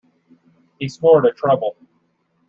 He scored a treble.